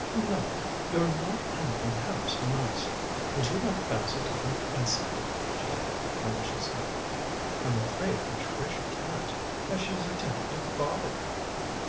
"No. You're not anything half so nice. Would you like Basil to come and see you?" she added maliciously. "I'm afraid Patricia can't, as she's attending to father."